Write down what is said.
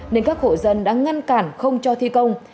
nên các hộ dân đã ngăn cản không cho thi công